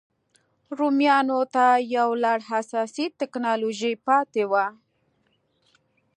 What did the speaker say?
رومیانو ته یو لړ اساسي ټکنالوژۍ پاتې وو.